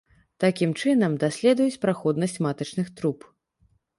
Такім чынам даследуюць праходнасць матачных труб.